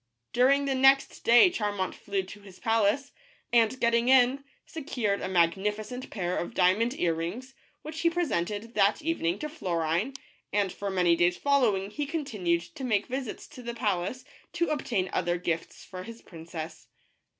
During the next day Charmant flew to his palace, and getting in, secured a magnificent pair of diamond ear rings, which he presented that evening to Florine, and for many days follow ing he continued to make visits to the palace, to obtain other gifts for his princess.